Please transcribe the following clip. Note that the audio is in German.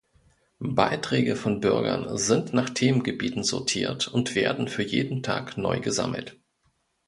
Beiträge von Bürgern sind nach Themengebieten sortiert und werden für jeden Tag neu gesammelt.